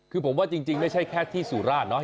คือผมว่าจริงไม่ใช่แค่ที่สุราชเนาะ